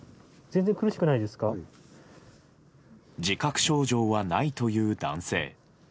自覚症状はないという男性。